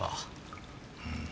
うん。